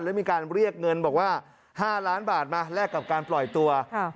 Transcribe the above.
แล้วมีการเรียกเงินบอกว่า๕ล้านบาทมาแลกกับการปล่อยตัว